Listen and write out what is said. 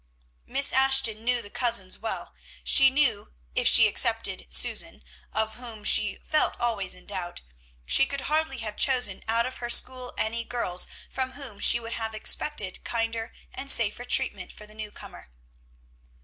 Miss Ashton knew the cousins well. She knew, if she excepted Susan, of whom she felt always in doubt, she could hardly have chosen out of her school any girls from whom she would have expected kinder and safer treatment for the new comer.